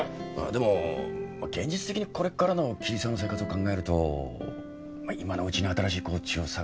でも現実的にこれからの桐沢の生活を考えると今のうちに新しいコーチを探したほうがいい。